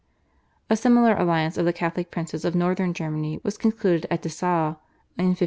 A similar alliance of the Catholic princes of Northern Germany was concluded at Dessau in 1526.